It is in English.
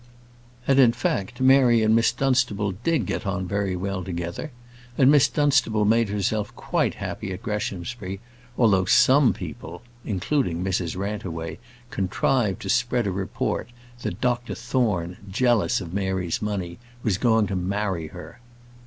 And in fact, Mary and Miss Dunstable did get on very well together; and Miss Dunstable made herself quite happy at Greshamsbury, although some people including Mrs Rantaway contrived to spread a report, that Dr Thorne, jealous of Mary's money, was going to marry her.